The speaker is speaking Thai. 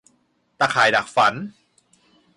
ตาข่ายดักฝัน